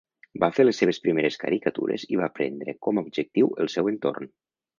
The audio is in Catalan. Va fer les seves primeres caricatures i va prendre com a objectiu el seu entorn.